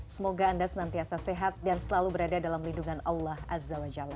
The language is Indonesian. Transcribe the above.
semoga anda senantiasa sehat dan selalu berada dalam lindungan allah azza wa jalla